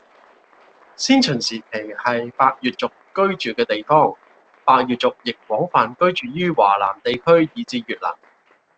先秦時期係百越族居住嘅地方，百越族亦廣泛居住於華南地區以至越南